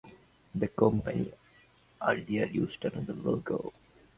The company earlier used another logo.